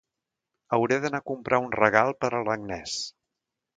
Hauré d'anar a comprar un regal per a l'Agnès.